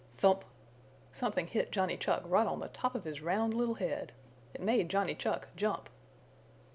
Thump! Something hit Johnny Chuck right on the top of his round little head. It made Johnny Chuck jump.